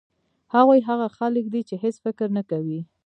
هغوی هغه خلک دي چې هېڅ فکر نه کوي.